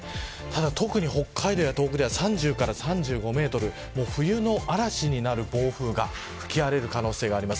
特に北海道や東北では３０から３５メートル冬の嵐になる暴風が吹き荒れる可能性があります。